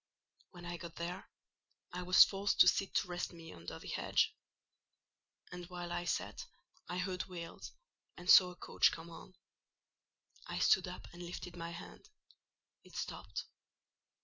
When I got there, I was forced to sit to rest me under the hedge; and while I sat, I heard wheels, and saw a coach come on. I stood up and lifted my hand; it stopped.